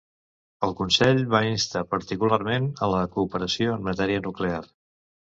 El Consell va instar particularment a la cooperació en matèria nuclear.